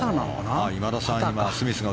今田さん